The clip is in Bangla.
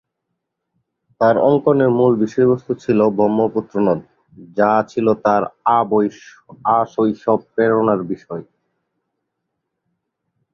তাঁর অঙ্কনের মূল বিষয়বস্ত্ত ছিল ব্রহ্মপুত্র নদ, যা ছিল তাঁর আশৈশব প্রেরণার বিষয়।